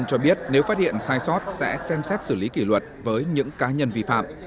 cho biết nếu phát hiện sai sót sẽ xem xét xử lý kỷ luật với những cá nhân vi phạm